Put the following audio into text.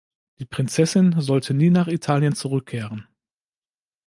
Die Prinzessin sollte nie nach Italien zurückkehren.